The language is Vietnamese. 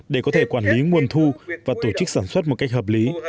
để có thể quản lý nguồn thu và tổ chức sản xuất một cách hợp lý